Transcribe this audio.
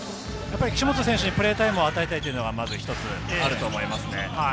岸本選手にプレータイムを与えたいのが一つあると思います。